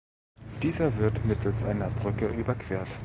Dieser wird mittels einer Brücke überquert.